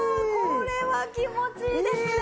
これは気持ちいいですね！